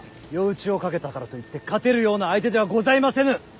夜討ちをかけたからといって勝てるような相手ではございませぬ。